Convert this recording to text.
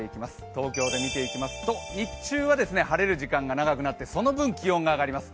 東京で見ていきますと日中は晴れる時間が長くなってその分気温が上がります。